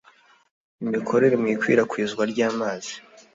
imikorere mu ikwirakwizwa ry amazi